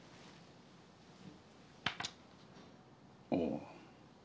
ああ。